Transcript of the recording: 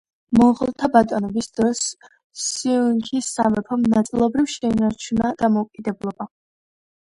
მონღოლთა ბატონობის დროს სიუნიქის სამეფომ ნაწილობრივ შეინარჩუნა დამოუკიდებლობა.